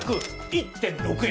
１．６円。